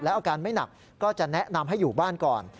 อาการไม่หนักก็จะแนะนำให้อยู่บ้านก่อน